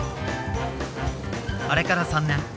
あれから３年。